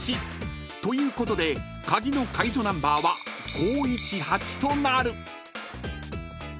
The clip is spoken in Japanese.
［ということで鍵の解除ナンバーは５１８となる］